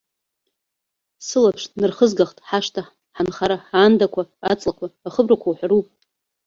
Сылаԥш нархызгахт ҳашҭа, ҳанхара, аандақәа, аҵлақәа, ахыбрақәа уҳәару.